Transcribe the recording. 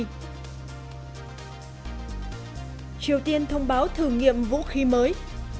triều tiên thông báo thử nghiệm vũ khí mới